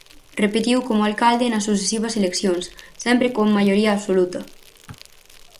Repetiu como alcalde nas sucesivas eleccións sempre con maioría absoluta.